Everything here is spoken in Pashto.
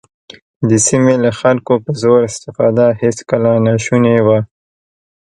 د سیمې له خلکو په زور استفاده هېڅکله ناشونې وه.